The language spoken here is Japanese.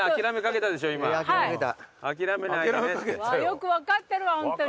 よく分かってるわホントに。